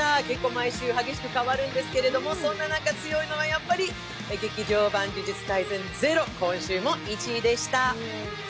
結構、毎週激しく変わるんですけども、そんな中強いのは、やっぱり「劇場版呪術廻戦０」、今週も１位でした。